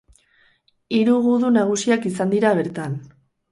Hiru gudu nagusiak izan dira bertan.